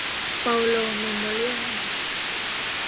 เปาโลเมโมเรียล